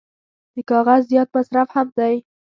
د کاغذ زیات مصرف هم دی.